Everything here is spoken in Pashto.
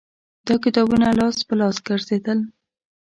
دا کتابونه لاس په لاس ګرځېدل